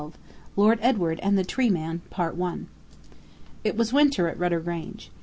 LORD EDWARD AND THE TREE MAN. It was winter at Rudder Grange.